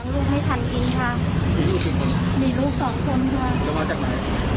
ลงที่มีสิ่งหนูละครับ